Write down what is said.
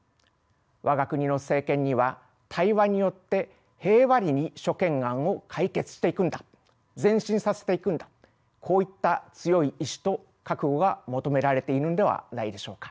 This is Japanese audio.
我が国の政権には対話によって平和裏に諸懸案を解決していくんだ前進させていくんだこういった強い意志と覚悟が求められているのではないでしょうか。